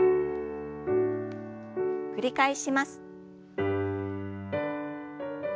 繰り返します。